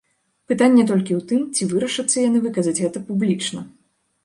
Пытанне толькі ў тым, ці вырашацца яны выказаць гэта публічна.